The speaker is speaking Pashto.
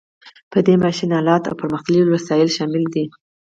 په دې کې ماشین الات او پرمختللي وسایل شامل دي.